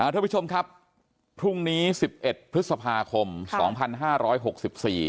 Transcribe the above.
ทุกผู้ชมครับพรุ่งนี้สิบเอ็ดพฤษภาคมสองพันห้าร้อยหกสิบสี่